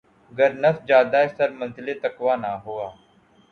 گر نفس جادہٴ سر منزلِ تقویٰ نہ ہوا